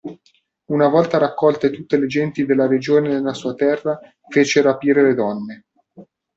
Una volta raccolte tutte le genti della regione nella sua terra, fece rapire le donne.